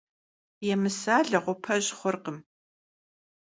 Yêmısa leğupej xhurkhım.